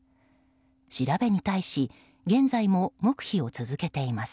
調べに対し現在も黙秘を続けています。